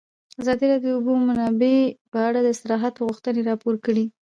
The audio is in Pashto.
ازادي راډیو د د اوبو منابع په اړه د اصلاحاتو غوښتنې راپور کړې.